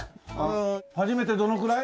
始めてどのくらい？